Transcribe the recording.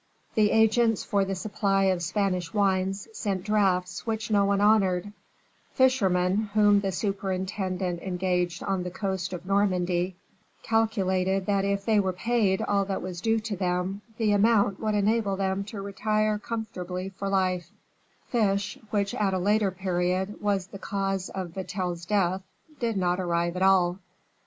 The agents for the supply of Spanish wines sent drafts which no one honored; fishermen, whom the superintendent engaged on the coast of Normandy, calculated that if they were paid all that was due to them, the amount would enable them to retire comfortably for life; fish, which, at a later period, was the cause of Vatel's death, did not arrive at all.